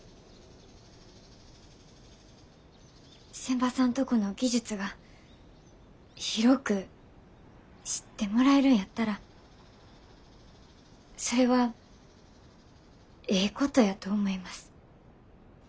仙波さんとこの技術が広く知ってもらえるんやったらそれはええことやと思います。